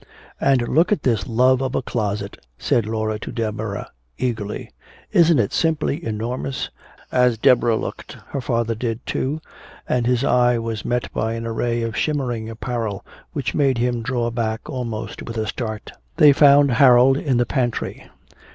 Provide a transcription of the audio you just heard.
"And look at this love of a closet!" said Laura to Deborah eagerly. "Isn't it simply enormous?" As Deborah looked, her father did, too, and his eye was met by an array of shimmering apparel which made him draw back almost with a start. They found Harold in the pantry.